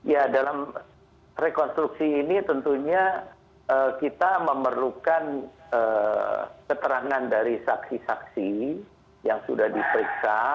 ya dalam rekonstruksi ini tentunya kita memerlukan keterangan dari saksi saksi yang sudah diperiksa